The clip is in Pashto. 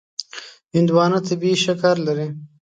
هندوانه طبیعي شکر لري.